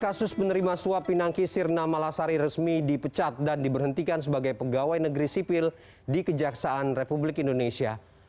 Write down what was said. kasus penerima suap pinangki sirna malasari resmi dipecat dan diberhentikan sebagai pegawai negeri sipil di kejaksaan republik indonesia